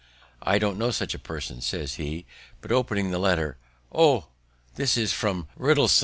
"I don't know such a person," says he; but, opening the letter, "O! this is from Riddlesden.